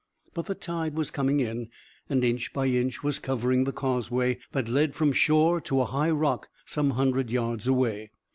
But the tide was coming in, and inch by inch was covering the causeway that led from shore to a high rock some hundred yards away.